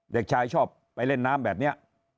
เด็กชายชอบไปเล่นน้ำแบบนี้